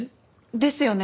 ですよね。